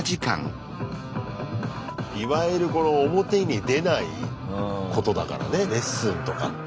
いわゆるこの表に出ないことだからねレッスンとかって。